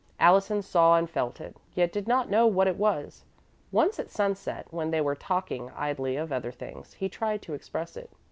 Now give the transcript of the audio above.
Allison saw and felt it, yet did not know what it was. Once at sunset, when they were talking idly of other things, he tried to express it.